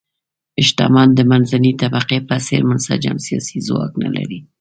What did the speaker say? شتمن د منځنۍ طبقې په څېر منسجم سیاسي ځواک نه لري.